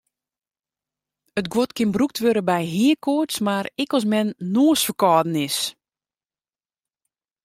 It guod kin brûkt wurde by heakoarts mar ek as men noasferkâlden is.